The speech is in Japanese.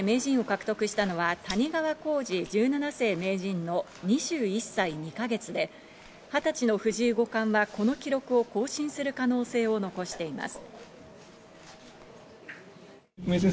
最年少で名人位を獲得したのは谷川浩司十七世名人の２１歳２か月で、２０歳の藤井五冠はこの記録を更新する可能性を残しています。